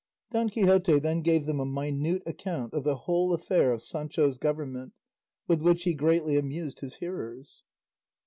Don Quixote then gave them a minute account of the whole affair of Sancho's government, with which he greatly amused his hearers.